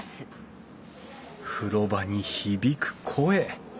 風呂場に響く声。